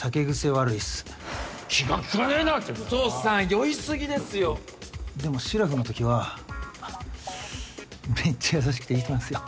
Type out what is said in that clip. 酔い過ぎですよでもしらふの時はめっちゃ優しくていい人なんすよ。